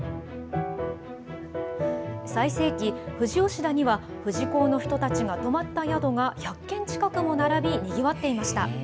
最盛期、富士吉田には富士講の人たちが泊まった宿が１００軒近くも並び、にぎわっていました。